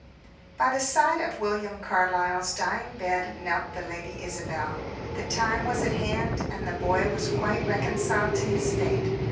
By the side of William Carlyle's dying bed knelt the Lady Isabel. The time was at hand, and the boy was quite reconciled to his fate.